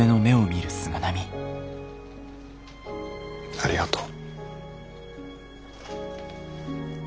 ありがとう。